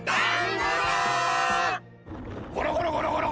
ゴロゴロゴロゴロゴロ！